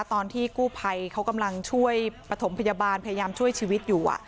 ตอนที่กู้ภัยเขากำลังช่วยปฐมพยาบาลพยายามช่วยชีวิตอยู่